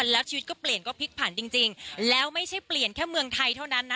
แล้วชีวิตก็เปลี่ยนก็พลิกผันจริงแล้วไม่ใช่เปลี่ยนแค่เมืองไทยเท่านั้นนะ